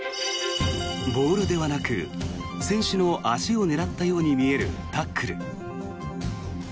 ボールではなく選手の足を狙ったように見えるタックル。